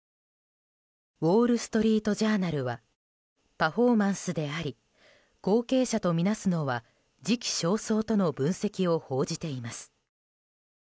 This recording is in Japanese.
ウォール・ストリート・ジャーナルはパフォーマンスであり後継者とみなすのは時期尚早との分析を報じています。